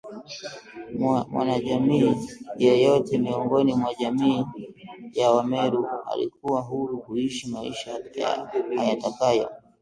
Mwanajamii yeyote miongoni mwa jamii ya Wameru alikuwa huru kuishi maisha ayatakayo